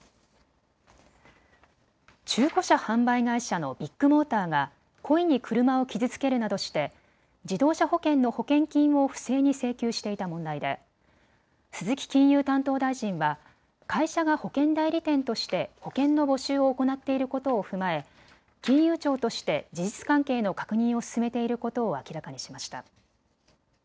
中古車販売会社のビッグモーターが故意に車を傷つけるなどして自動車保険の保険金を不正に請求していた問題で鈴木金融担当大臣は会社が保険代理店として保険の募集を行っていることを踏まえ金融庁として事実関係の確認を進めていることを明らかにしました。